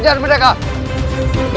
jangan mendingin here